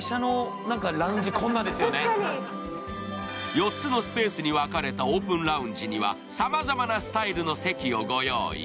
４つのスペースに分かれたオープンラウンジにはさまざまなスタイルの席をご用意。